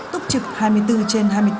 túc trực hai mươi bốn trên hai mươi bốn